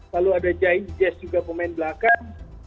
lalu ada jai itses juga pemain belakang